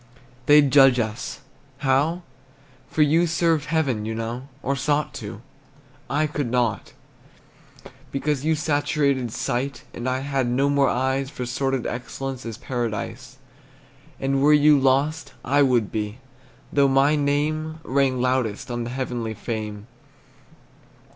They'd judge us how? For you served Heaven, you know, Or sought to; I could not, Because you saturated sight, And I had no more eyes For sordid excellence As Paradise. And were you lost, I would be, Though my name Rang loudest On the heavenly fame.